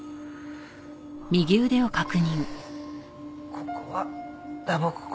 ここは打撲痕？